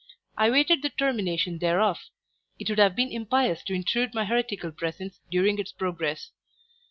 I waited the termination thereof; it would have been impious to intrude my heretical presence during its progress.